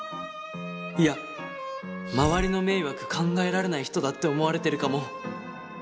いや周りの迷惑考えられない人だって思われてるかも。